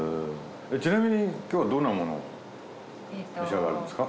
ちなみに今日はどんなものを召し上がるんですか？